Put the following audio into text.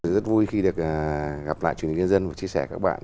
rất vui khi được gặp lại truyền hình nhân dân và chia sẻ các bạn